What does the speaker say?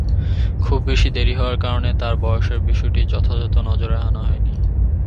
খুব বেশি দেরি হওয়ার কারণে তার বয়সের বিষয়টি যথাযথ নজরে আনা হয়নি।